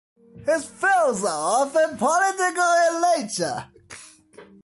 His films are often political in nature.